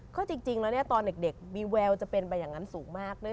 ก็จริงแล้วเนี่ยตอนเด็กวีแววจะเป็นไปอย่างนั้นสูงมาก